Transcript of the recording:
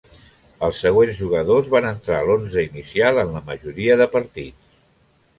Els següents jugadors van entrar a l'onze inicial en la majoria de partits.